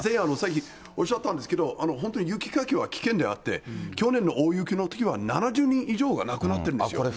で、さっきおっしゃったんですけど、本当雪かきは危険であって、去年の大雪のときは７０人以上が亡くなっているんですよ。